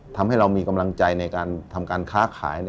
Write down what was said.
ทำให้เรามีกำลังใจในการทำการค้าขาย